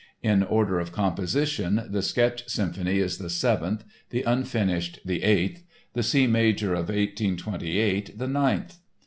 In order of composition the Sketch Symphony is the Seventh, the Unfinished the Eighth, the C major of 1828, the Ninth.